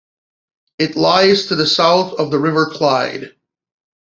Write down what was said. It lies to the south of the River Clyde.